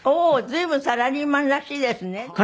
随分サラリーマンらしいですねでも。